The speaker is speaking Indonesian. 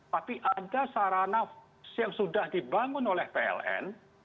tapi ada sarana yang sudah dibangun oleh pln